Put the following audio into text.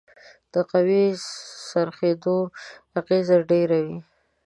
د قوې د څرخیدلو اغیزه ډیره وي.